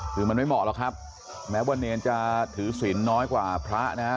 คือมันไม่เหมาะหรอกครับแม้ว่าเนรจะถือศิลป์น้อยกว่าพระนะฮะ